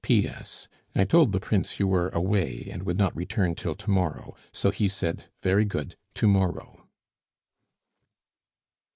"P. S. I told the Prince you were away, and would not return till to morrow, so he said, 'Very good to morrow.